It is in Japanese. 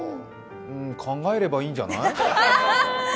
考えればいいんじゃない？